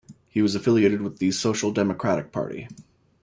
He was affiliated with the Social Democratic Party.